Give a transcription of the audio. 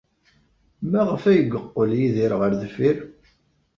Maɣef ay yeqqel Yidir ɣer deffir?